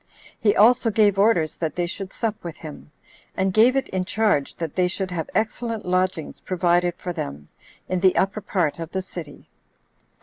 He also gave orders that they should sup with him; and gave it in charge that they should have excellent lodgings provided for them in the upper part of the city.